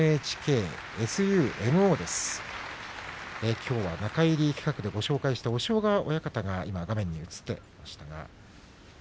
きょうは中入り企画でご紹介した押尾川親方が画面に写っています。